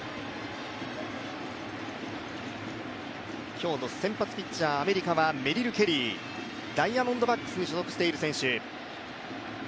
今日の先発ピッチャー、アメリカはメリル・ケリー、ダイヤモンドバックスに所属している選手。